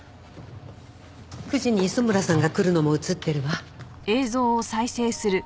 ９時に磯村さんが来るのも映ってるわ。